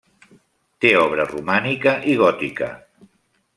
Té obra romànica i gòtica.